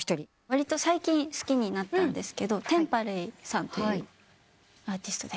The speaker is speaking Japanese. わりと最近好きになったんですけどＴｅｍｐａｌａｙさんというアーティストです。